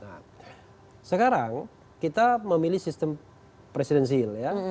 nah sekarang kita memilih sistem presidensil ya